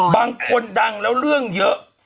บางคนดังแล้วเรื่องเยอะ